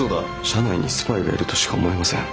社内にスパイがいるとしか思えません。